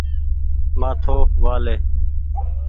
مآٿو وآ لي ۔